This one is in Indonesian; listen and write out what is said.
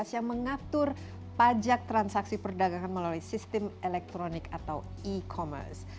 yang mengatur pajak transaksi perdagangan melalui sistem elektronik atau e commerce